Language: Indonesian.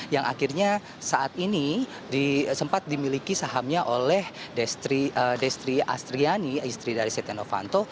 yang akhirnya saat ini sempat dimiliki sahamnya oleh destri astriani istri dari setia novanto